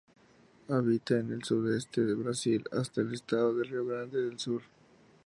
Habita en el sudeste del Brasil hasta el estado de Río Grande del Sur.